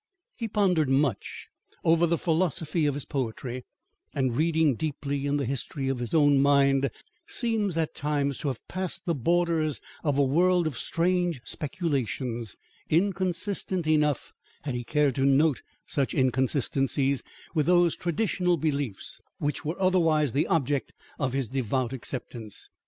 He pondered much over the philosophy of his poetry, and reading deeply in the history of his own mind, seems at times to have passed the borders of a world of strange speculations, inconsistent enough, had he cared to note such inconsistencies, with those traditional beliefs, which were otherwise the object of his devout acceptance.